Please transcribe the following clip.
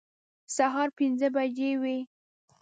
سهار پنځه بجې وې.